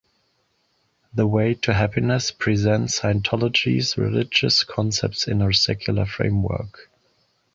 "The Way to Happiness" presents Scientology's religious concepts in a secular framework.